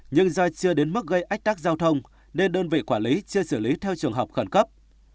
nhưng do chưa đến mức gây ách tắc giao thông nên đơn vị quản lý chưa xử lý theo trường hợp khẩn cấp